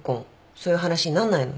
そういう話になんないの？